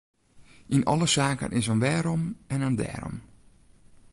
Yn alle saken is in wêrom en in dêrom.